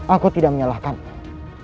aku tidak menyalahkanmu